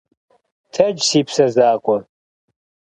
Тэдж, си псэ закъуэ.